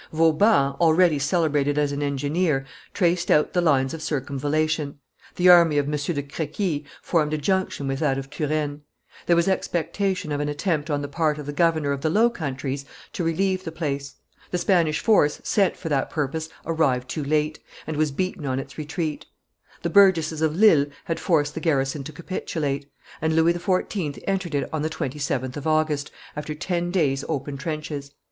Vauban, already celebrated as an engineer, traced out the lines of circumvallation; the army of M. de Crequi formed a junction with that of Turenne; there was expectation of an attempt on the part of the governor of the Low Countries to relieve the place; the Spanish force sent for that purpose arrived too late, and was beaten on its retreat; the burgesses of Lille had forced the garrison to capitulate; and Louis XIV. entered it on the 27th of August, after ten days' open trenches.